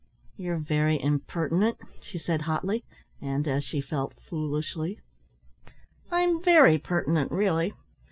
"You're very impertinent!" she said hotly and, as she felt, foolishly. "I'm very pertinent, really.